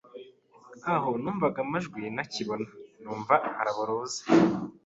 aho numvaga amajwi ntakibabona numva araboroze